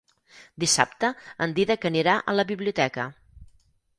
Dissabte en Dídac anirà a la biblioteca.